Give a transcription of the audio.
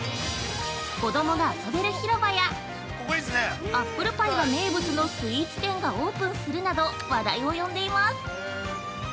子供が遊べる広場やアップルパイが名物のスイーツ店がオープンするなど話題を呼んでいます。